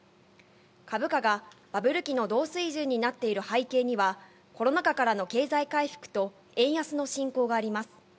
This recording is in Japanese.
株価がバブル期の同水準になっている背景には、コロナ禍からの経済回復と円安の進行があります。